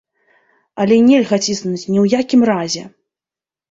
Але нельга ціснуць ні ў якім разе.